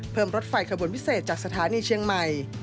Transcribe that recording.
รถไฟขบวนพิเศษจากสถานีเชียงใหม่